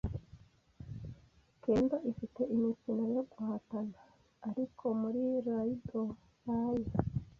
Kendo ifite imikino yo guhatana, ariko muri Iaido ntayo.